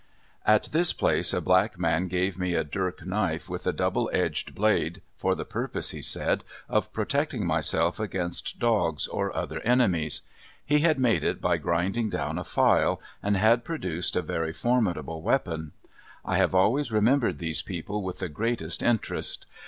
At this place a black man gave me a dirk knife with a double edged blade, for the purpose, he said, of protecting myself against dogs or other enemies. He had made it by grinding down a file, and had produced a very formidable weapon. I have always remembered these people with the greatest interest.